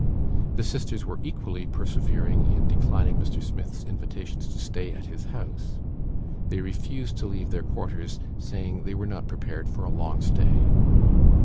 The sisters were equally persevering in declining Mr. Smith's invitations to stay at his house. They refused to leave their quarters, saying they were not prepared for a long stay.